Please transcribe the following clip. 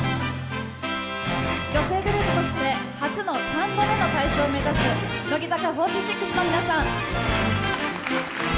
女性グループとして初の３度目の大賞を目指す乃木坂４６の皆さん。